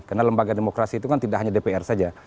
karena lembaga demokrasi itu kan tidak hanya dpr saja